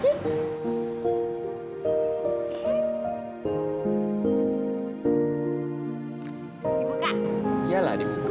iya lah dibuka